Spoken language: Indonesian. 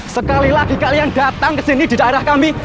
sekali lagi kalian datang kesini di daerah kami